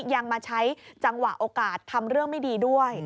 ยังมาใช้จังหวะโอกาสทำเรื่องไม่ดีด้วย